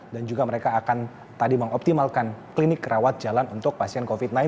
dan juga mereka akan tadi mengoptimalkan klinik rawat jalan untuk pasien covid sembilan belas